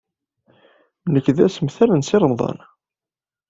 Nekk d asemtar n Si Remḍan.